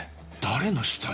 誰の死体？